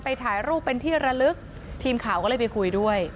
ถ่ายรูปเป็นที่ระลึกทีมข่าวก็เลยไปคุยด้วย